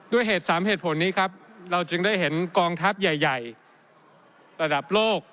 ด้วยเหตุสามเหตุผลนี้ครับเราจึงได้เห็นกองทัพใหญ่ระดับโลก